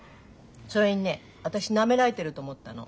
それにね私なめられてると思ったの。